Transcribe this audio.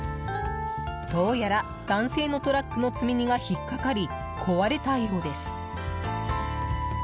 どうやら男性のトラックの積み荷が引っかかり、壊れたようです。